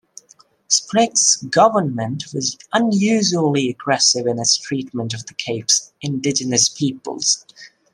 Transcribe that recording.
Sprigg's government was unusually aggressive in its treatment of the Cape's indigenous peoples.